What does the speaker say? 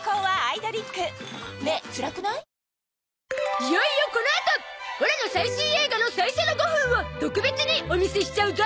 いよいよこのあとオラの最新映画の最初の５分を特別にお見せしちゃうゾ！